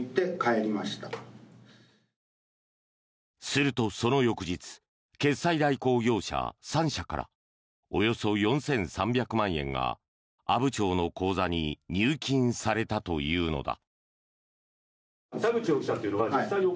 すると、その翌日決済代行業者３社からおよそ４３００万円が阿武町の口座に入金されたというのだ。